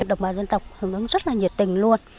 đồng bào dân tộc hướng ứng rất là nhiệt tình luôn